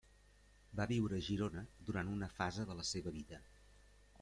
Va viure a Girona durant una fase de la seva vida.